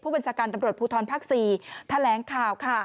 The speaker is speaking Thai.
บัญชาการตำรวจภูทรภาค๔แถลงข่าวค่ะ